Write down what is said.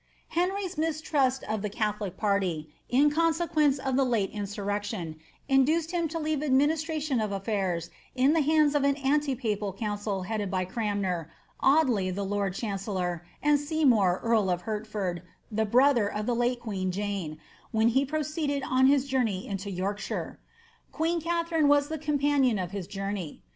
' Henry's mistrust of the catholic party, in consequence of the latt in surrection, induced him to leave the administration of aflbirs in the bandi of an anti papal council headed by Cranmer, Audley the lord chancel lor, and Seymour earl of Hertford, the brother of the late queen Janff when he proceeded on his journey into Yorkshire. Queen Kathtrioe was the companion of his journey.